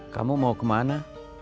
kamu mau kemana